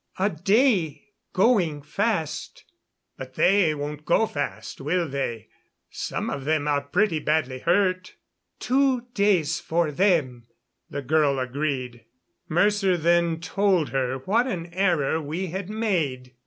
A day, going fast." "But they won't go fast, will they? Some of them are pretty badly hurt." "Two days for them," the girl agreed. Mercer then told her what an error we had made.